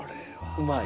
うまい？